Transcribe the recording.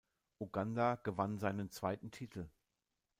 Uganda gewann seinen zweiten Titel.